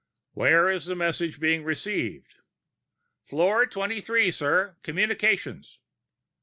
"Where is this message being received?" "Floor twenty three, sir. Communications."